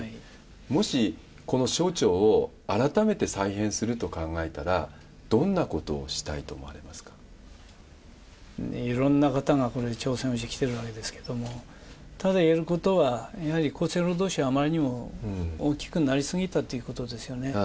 もし、この省庁を改めて再編すると考えたら、どんなことをしたいと思わいろんな方がこれ、挑戦をしてきてるわけですけれども、ただ、言えることは、やはり厚生労働省はあまりにも大きくなり過ぎたってことですよね。